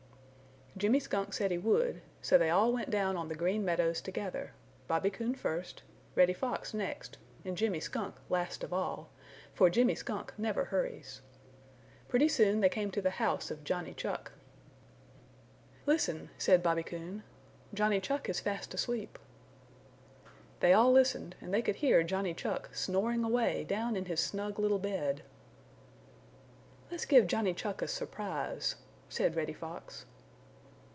Jimmy Skunk said he would, so they all went down on the Green Meadows together, Bobby Coon first, Reddy Fox next and Jimmy Skunk last of all, for Jimmy Skunk never hurries. Pretty soon they came to the house of Johnny Chuck. "Listen," said Bobby Coon. "Johnny Chuck is fast asleep." They all listened and they could hear Johnny Chuck snoring away down in his snug little bed. "Let's give Johnny Chuck a surprise," said Reddy Fox.